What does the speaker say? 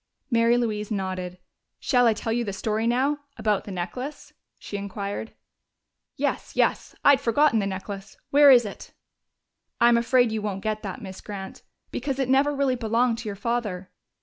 Mary Louise nodded. "Shall I tell you the story now about the necklace?" she inquired. "Yes, yes. I had forgotten the necklace. Where is it?" "I'm afraid you won't get that, Miss Grant, because it never really belonged to your father."